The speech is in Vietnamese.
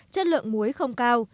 chất lượng muối không cao